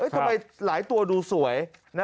ทำไมหลายตัวดูสวย